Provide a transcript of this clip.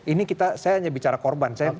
ini saya hanya bicara korban